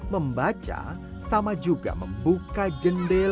membaca sama juga membuka jenis penulisan